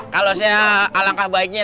kalau saya alangkah baiknya